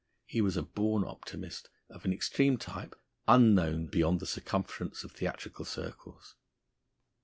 He was a born optimist, of an extreme type unknown beyond the circumferences of theatrical circles.